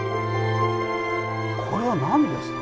これは何ですか？